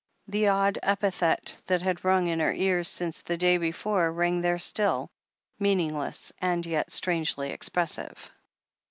The odd epithet that had rang in her ears since the day before rang there still, meaningless, and yet strangely expressive.